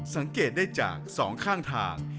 สังเกตได้จากสองข้างทาง